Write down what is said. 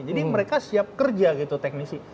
jadi mereka siap kerja gitu teknisi